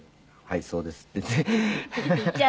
「はいそうです」って言って。